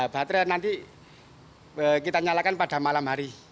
baterai nanti kita nyalakan pada malam hari